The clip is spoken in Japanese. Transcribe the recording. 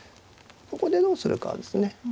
ここでどうするかですね。